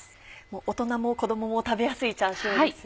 大人も子供も食べやすいチャーシューですよね。